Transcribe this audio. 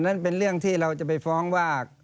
นั้นเป็นเรื่องที่เราจะไปฟ้องว่า